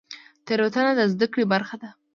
تیروتنه د زده کړې برخه ده